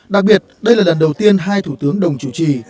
đặc biệt đây là lần đầu tiên hai thủ tướng đồng chủ trì